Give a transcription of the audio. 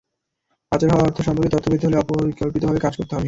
পাচার হওয়া অর্থ সম্পর্কে তথ্য পেতে হলে পরিকল্পিতভাবে কাজ করতে হবে।